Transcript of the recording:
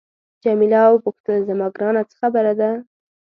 جميله وپوښتل زما ګرانه څه خبره ده.